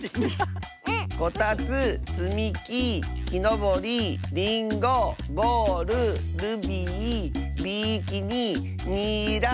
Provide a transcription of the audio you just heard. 「こたつつみききのぼりリンゴゴールルビービキニニラ」。